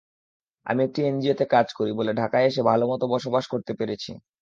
আমি একটি এনজিওতে কাজ করি বলে ঢাকায় এসে ভালোমতো বসবাস করতে পেরেছি।